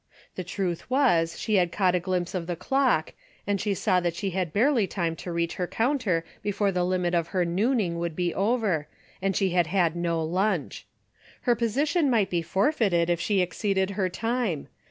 The truth was she had caught a glimpse of the clock and she saw that she had barely time to reach her counter before the limit of her nooning would be over, and she had had no lunch. Her position might be forfeited if she exceeded her time.